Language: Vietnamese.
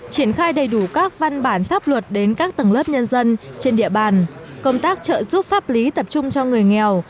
triển khai đầy đủ các văn bản pháp luật đến các tầng lớp nhân dân trên địa bàn công tác trợ giúp pháp lý tập trung cho người nghèo